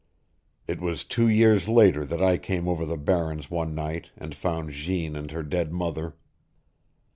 It was two years later that I came over the barrens one night and found Jeanne and her dead mother.